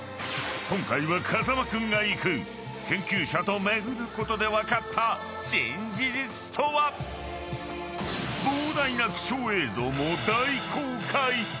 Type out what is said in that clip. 今回は、風間君が行く研究者と巡ることで分かった新事実とは。膨大な貴重映像も大公開！